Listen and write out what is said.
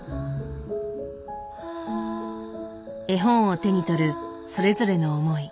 絵本を手に取るそれぞれの思い。